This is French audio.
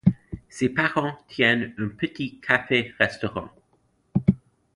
Ses parents tiennent un petit café restaurant.